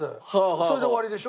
それで終わりでしょ？